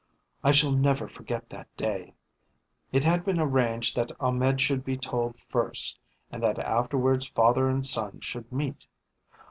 I shall never forget that day. It had been arranged that Ahmed should be told first and that afterwards father and son should meet.